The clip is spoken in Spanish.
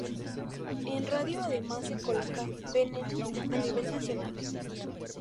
En radio además se coloca "Veneno" a nivel Nacional.